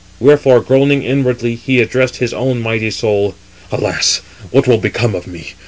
Wherefore, groaning inwardly, he addressed his own mighty soul: "Alas! what will become of me?